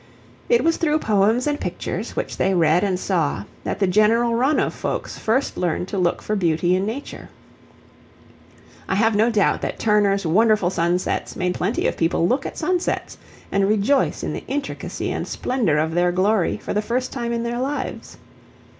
It was through poems and pictures, which they read and saw, that the general run of folks first learned to look for beauty in nature. I have no doubt that Turner's wonderful sunsets made plenty of people look at sunsets and rejoice in the intricacy and splendour of their glory for the first time in their lives.